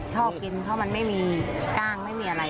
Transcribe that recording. ชอบกินเพราะมันไม่มีกล้างไม่มีอะไร